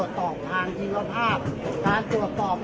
อันนี้คือ๑จานที่คุณคุณค่อยอยู่ด้านข้างข้างนั้น